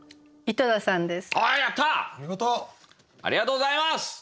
ありがとうございます！